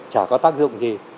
chả có tác dụng gì